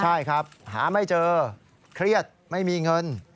ใช่ครับหาไม่เจอเครียดไม่มีเงิน